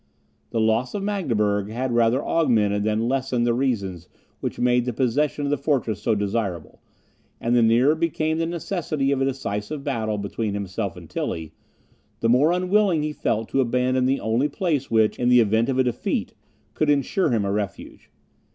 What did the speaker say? The loss of Magdeburg had rather augmented than lessened the reasons which made the possession of this fortress so desirable; and the nearer became the necessity of a decisive battle between himself and Tilly, the more unwilling he felt to abandon the only place which, in the event of a defeat, could ensure him a refuge.